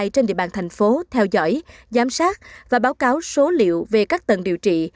trên địa bàn thành phố theo dõi giám sát và báo cáo số liệu về các tầng điều trị